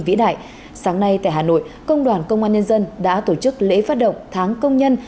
vĩ đại sáng nay tại hà nội công đoàn công an nhân dân đã tổ chức lễ phát động tháng công nhân